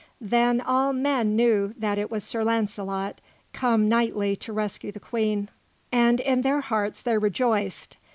Then all men knew that it was Sir Launcelot, come knightly to rescue the Queen, and in their hearts they rejoiced.